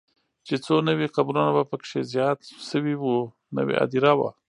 چې څو نوي قبرونه به پکې زیات شوي وو، نوې هدیره وه.